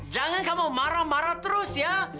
jangan kamu marah marah terus ya